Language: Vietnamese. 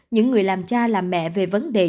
những người làm cha làm mẹ về vấn đề